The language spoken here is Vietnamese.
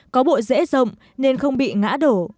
có bộ dễ rộng nên không bị ngã đổ